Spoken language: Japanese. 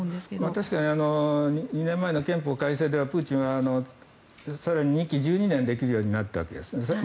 確かに２年前の憲法改正ではプーチンはさらに２期１２年できるようになったんです